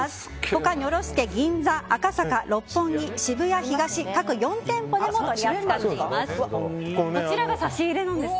他は、にょろ助、銀座赤坂、六本木、渋谷東各４店舗でも取り扱っています。